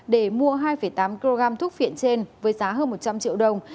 để mua hai tám kg thuốc phiện trên với giá hơn một trăm linh triệu đồng